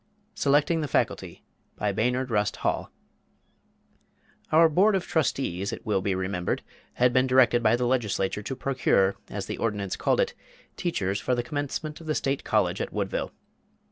SELECTING THE FACULTY BY BAYNARD RUST HALL Our Board of Trustees, it will be remembered, had been directed by the Legislature to procure, as the ordinance called it, "Teachers for the commencement of the State College at Woodville."